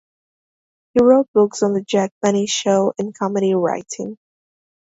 He wrote books on the Jack Benny Show and comedy writing.